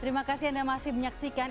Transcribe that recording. terima kasih anda masih menyaksikan